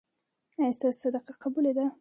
ایا ستاسو صدقه قبوله ده؟